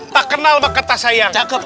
tak kenal sama kata sayang